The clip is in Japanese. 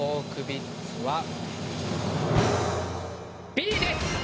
Ｂです。